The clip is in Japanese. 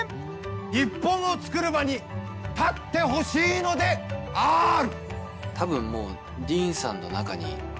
日本を作る場に立ってほしいのである！